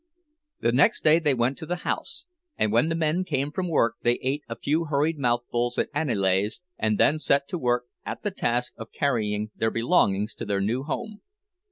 The next day they went to the house; and when the men came from work they ate a few hurried mouthfuls at Aniele's, and then set to work at the task of carrying their belongings to their new home.